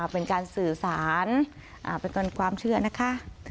เป็นการสื่อสารเป็นความเชื่อนะคะ